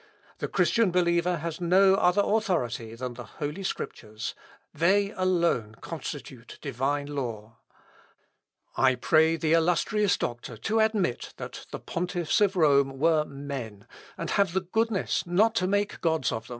The Christian believer has no other authority than the Holy Scriptures they alone constitute divine law. I pray the illustrious doctor to admit that the pontiffs of Rome were men, and have the goodness not to make gods of them."